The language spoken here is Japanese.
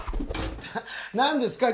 何ですか？